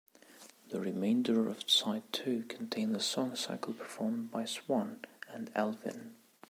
The remainder of side two contained the song cycle performed by Swann and Elvin.